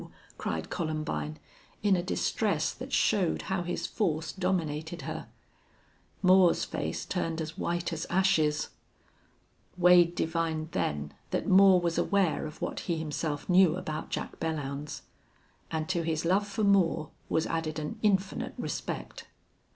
cried Columbine, in a distress that showed how his force dominated her. Moore's face turned as white as ashes. Wade divined then that Moore was aware of what he himself knew about Jack Belllounds. And to his love for Moore was added an infinite respect.